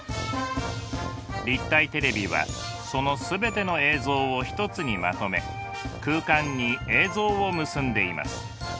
立体テレビはその全ての映像を一つにまとめ空間に映像を結んでいます。